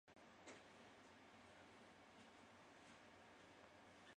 曲線美